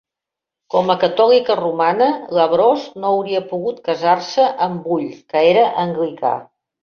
Com a catòlica romana, LaBrosse no hauria pogut casar-se amb Bull, que era anglicà.